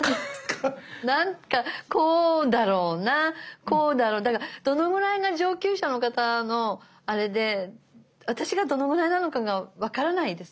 なんかこうだろうなこうだろうだからどのぐらいが上級者の方のあれで私がどのぐらいなのかが分からないです。